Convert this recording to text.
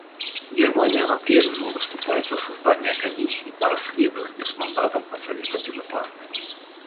Германия по-прежнему выступает за создание комиссии по расследованию с мандатом от Совета Безопасности.